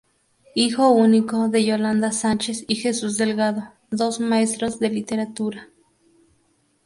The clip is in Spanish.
Hijo único de Yolanda Sánchez y Jesús Delgado, dos maestros de Literatura.